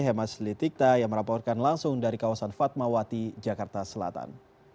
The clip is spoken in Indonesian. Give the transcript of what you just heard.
hemas litikta yang meraporkan langsung dari kawasan fatmawati jakarta selatan